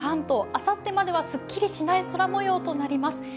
明日以降も東海や関東、あさってまではすっきりとしない空もようとなります。